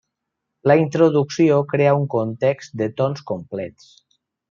La introducció crea un context de tons complets.